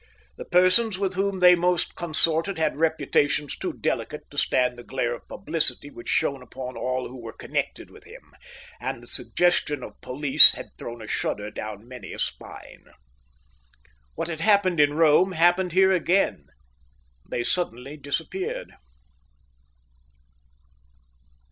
The persons with whom they mostly consorted had reputations too delicate to stand the glare of publicity which shone upon all who were connected with him, and the suggestion of police had thrown a shudder down many a spine. What had happened in Rome happened here again: they suddenly disappeared.